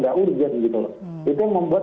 tidak urgent gitu loh itu yang membuat